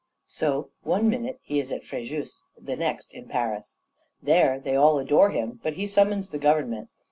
"So, one minute he is at Fréjus, the next in Paris. There, they all adore him; but he summons the government.